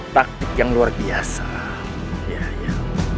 taktik yang luar biasa